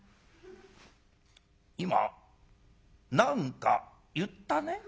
「今何か言ったね？